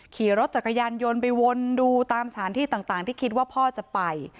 ขี่รถจักรยานยนต์ไปวนดูตามสถานที่ต่างที่คิดว่าพ่อจะไป